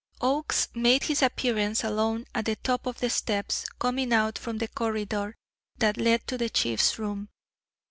Oakes made his appearance alone at the top of the steps coming out from the corridor that led to the Chief's room.